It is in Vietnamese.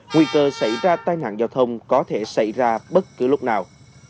nguy cơ xảy ra tai nạn giao thông có thể xảy ra bất cứ lúc nào